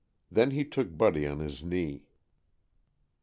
Then he took Buddy on his knee.